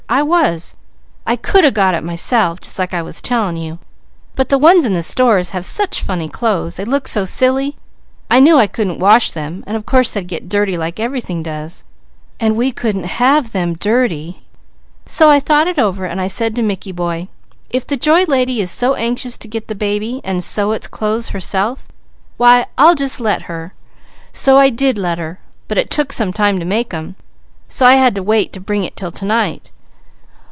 I was! I could a got it myself, like I was telling you; but the ones in the stores have such funny clothes. They look so silly. I knew I couldn't wash them and of course they'd get dirty like everything does, and we couldn't have them dirty, so I thought it over, and I said to Mickey boy, 'if the Joy Lady is so anxious to get the baby, and sew its clothes herself, why I'll just let her,' so I did let her, but it took some time to make them, so I had to wait to bring it 'til tonight.